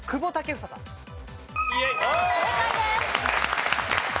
正解です。